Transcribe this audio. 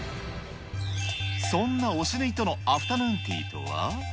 そんな推しぬいとのアフタヌーンティーとは。